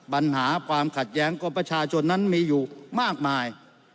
ปัญหาความขัดแย้งของประชาชนนั้นมีอยู่มากมาย